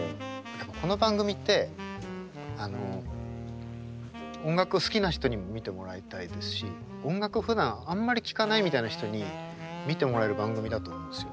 この番組ってあの音楽を好きな人にも見てもらいたいですし音楽をふだんあんまり聴かないみたいな人に見てもらえる番組だと思うんですよ。